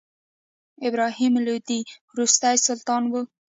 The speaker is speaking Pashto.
ابراهیم لودي وروستی سلطان و.